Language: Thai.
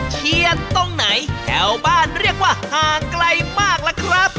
เชียดตรงไหนแถวบ้านเรียกว่าห่างไกลมากล่ะครับ